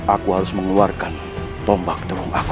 aku harus mengeluarkan tombak dalam aku